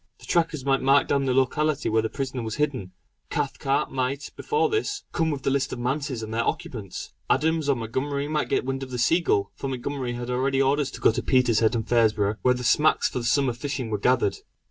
The trackers might mark down the locality where the prisoner was hidden. Cathcart might, before this, come with the list of manses and their occupants. Adams or Montgomery might get wind of the Seagull; for Montgomery had already orders to go to Petershead and Fraserburgh, where the smacks for the summer fishing were gathered.